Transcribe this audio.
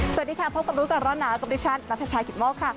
สวัสดีค่ะพบกับรู้ก่อนร้อนหนาวกับดิฉันนัทชายกิตโมกค่ะ